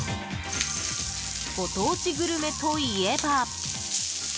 ご当地グルメといえば。